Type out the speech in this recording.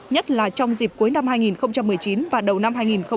nhất là trong dịp cuối năm hai nghìn một mươi chín và đầu năm hai nghìn hai mươi